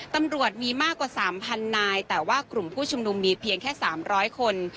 ตำรวจมีมากกว่า๓๐๐นายแต่ว่ากลุ่มผู้ชุมนุมมีเพียงแค่๓๐๐คน